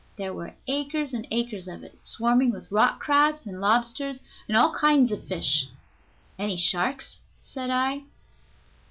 There were acres and acres of it, swarming with rock crabs and lobsters and all kinds of fish." "Any sharks?" said I.